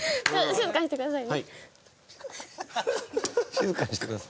「静かにしてください」。